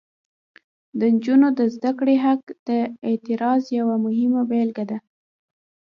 د نجونو د زده کړې حق د اعتراض یوه مهمه بیلګه ده.